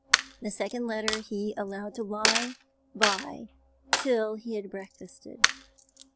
The second letter he allowed to lie by till he had breakfasted.